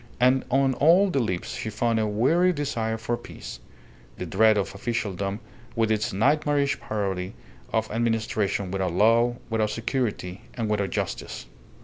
And on all the lips she found a weary desire for peace, the dread of officialdom with its nightmarish parody of administration without law, without security, and without justice.